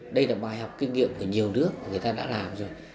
ngoài học kinh nghiệm của nhiều nước người ta đã làm rồi